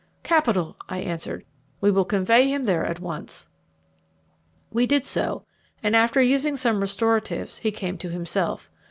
"Capital," I answered; "we will convey him there at once." We did so, and after using some restoratives, he came to himself.